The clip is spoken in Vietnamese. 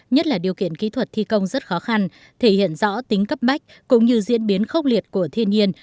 nhất là điều kiện kỹ thuật thi công rất khó khăn thể hiện rõ tính cấp bách cũng như diễn biến khốc liệt của thiên nhiên